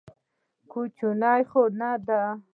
کوچنى خو نه دى.